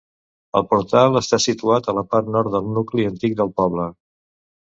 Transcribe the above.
El portal està situat a la part nord del nucli antic del poble.